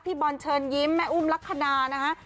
บอลเชิญยิ้มแม่อุ้มลักษณะนะคะ